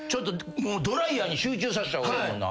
ドライヤーに集中させた方がええもんな。